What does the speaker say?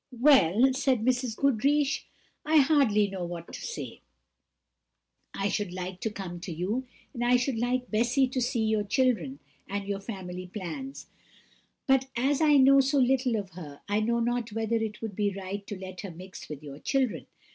"Well," said Mrs. Goodriche, "I hardly know what to say: I should like to come to you, and I should like Bessy to see your children and your family plans; but as I know so little of her, I know not whether it would be right to let her mix with your children.